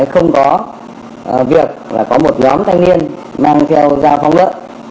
không có việc có một nhóm thanh niên mang theo dao phong lỡ